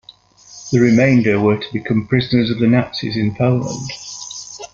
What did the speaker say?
The remainder were to become prisoners of the Nazis in Poland.